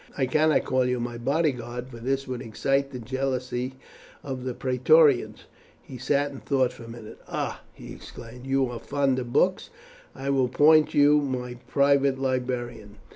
I cannot call you my bodyguard, for this would excite the jealousy of the Praetorians." He sat in thought for a minute. "Ah!" he exclaimed, "you are fond of books, I will appoint you my private librarian.